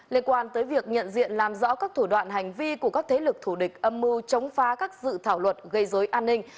liên quan tới việc nhận diện làm rõ các thủ đoạn hành vi của các thế lực thù địch âm mưu chống phá các dự thảo luật gây dối an ninh